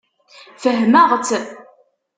Fehmeɣ-tt.